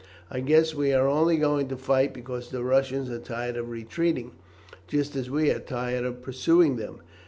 "I guess we are only going to fight because the Russians are tired of retreating, just as we are tired of pursuing them.